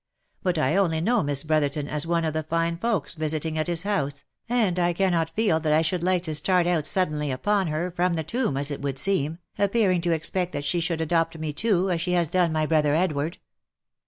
But I only know Miss Brotherton as one of the fine folks visiting at his house, and I cannot feel that I should like to start out suddenly upon her, from the tomb, as it would seem, appearing to expect that she should adopt me too, as she has done my brother Edward."